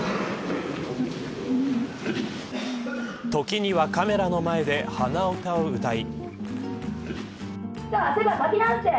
時にはカメラの前で鼻歌を歌い。